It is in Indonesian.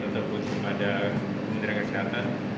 ataupun kepada pemerintah kesehatan